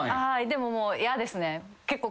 でももう嫌ですね。